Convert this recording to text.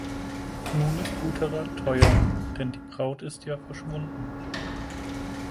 Nun ist guter Rat teuer, denn die Braut ist ja verschwunden.